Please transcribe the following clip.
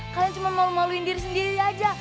kalian cuma mau maluin diri sendiri aja